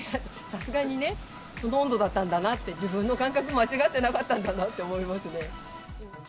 さすがにね、その温度だったんだなって、自分の感覚、間違ってなかったんだなって思いますね。